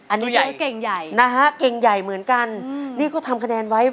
อันนี้ใหญ่เก่งใหญ่นะฮะเก่งใหญ่เหมือนกันนี่เขาทำคะแนนไว้